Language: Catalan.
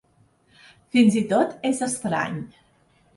Fins i tot és estrany.